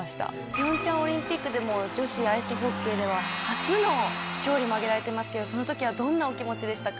平昌オリンピックでも女子アイスホッケーでは初の勝利も挙げられてますけどその時はどんなお気持ちでしたか？